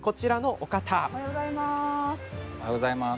おはようございます。